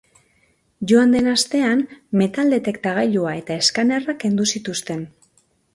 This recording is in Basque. Joan den astean metal detektagailua eta eskanerra kendu zituzten.